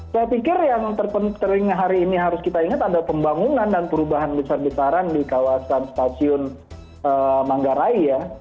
saya pikir yang terpenting hari ini harus kita ingat ada pembangunan dan perubahan besar besaran di kawasan stasiun manggarai ya